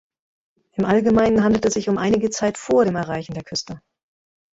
Im Allgemeinen handelt es sich um einige Zeit vor dem Erreichen der Küste.